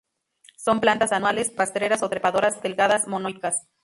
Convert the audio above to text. Son plantas anuales, rastreras o trepadoras, delgadas; monoicas.